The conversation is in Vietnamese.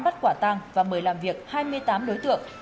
bắt quả tang và mời làm việc hai mươi tám đối tượng